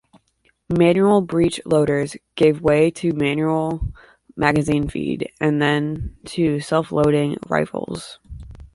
Manual breech-loaders gave way to manual magazine feed and then to self-loading rifles.